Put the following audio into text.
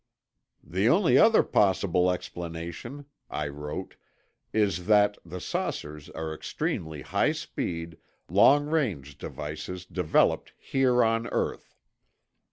"The only other possible explanation," I wrote, "is that, the saucers are extremely high speed, long range devices developed here on earth.